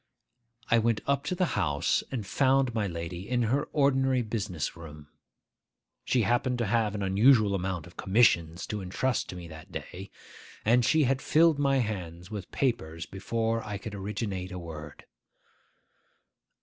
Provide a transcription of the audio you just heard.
I went up to the house, and found my lady in her ordinary business room. She happened to have an unusual amount of commissions to intrust to me that day; and she had filled my hands with papers before I could originate a word.